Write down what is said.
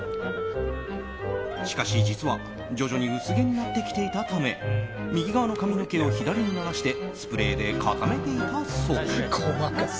しかし実は徐々に薄毛になってきていたため右側の髪の毛を左に流してスプレーで固めていたそう。